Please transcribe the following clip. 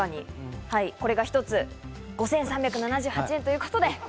これが１つ５３７８円ということで。